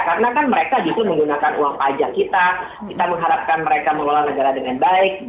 karena kan mereka juga menggunakan uang pajak kita kita mengharapkan mereka mengelola negara dengan baik